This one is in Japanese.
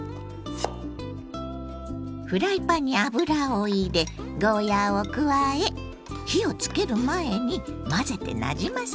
フライパンに油を入れゴーヤーを加え火をつける前に混ぜてなじませます。